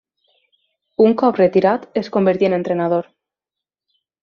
Un cop retirat es convertí en entrenador.